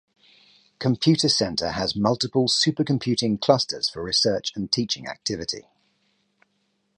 Computer centre has multiple super computing clusters for research and teaching activity.